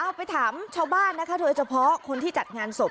ไปถามชาวบ้านนะคะโดยเฉพาะคนที่จัดงานศพ